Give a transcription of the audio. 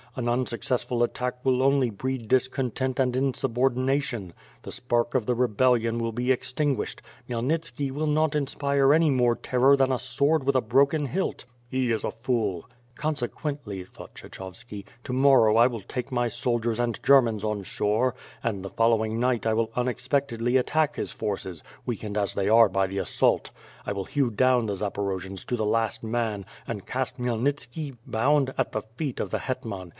An unsuccessful attack will only breed discontent and insubordination; the spark of the re bellion will be extinguished — Khmyelnitski will not inspire any more terror than a sword with a broken hilt." '''He is a fool." '^Consequently," thought Kshechovski, "to morrow I will take my soldiers and Germans on shore, and the following night I will unexpecte<lly attack his forces, weakened as they are by the assault. I will hew down the Zaporojians to the last man, and cast Khmyelnitski, bound, at the feet of the hetman.